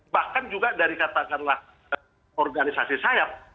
bahkan juga dari katakanlah organisasi sayap